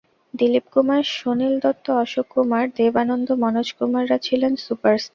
দিলীপ কুমার, সুনীল দত্ত, অশোক কুমার, দেব আনন্দ, মনোজ কুমাররা ছিলেন সুপারস্টার।